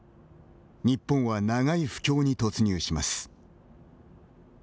日本は長い不況に突入します。